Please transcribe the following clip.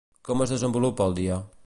Com es desenvolupa el dia?